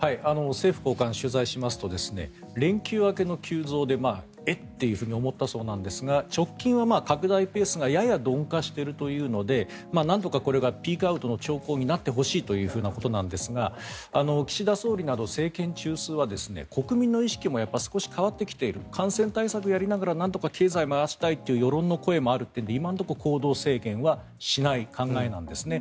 政府高官に取材しますと連休明けの急増でえっ！というふうに思ったそうですが直近は拡大ペースがやや鈍化しているというのでなんとかこれがピークアウトの兆候になってほしいということなんですが岸田総理など政権中枢は国民の意識も少し変わってきている感染対策をやりながらなんとか経済を回したいという世論の声もあるということで今のところ行動制限はしない考えなんですね。